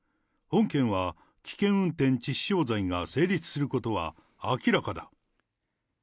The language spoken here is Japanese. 本件は危険運転致死傷罪が成立することは明らかだ。